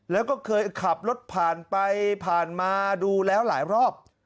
แล้วก็เคยขับรถผ่านไปผ่านมาดูแล้วหลายรอบ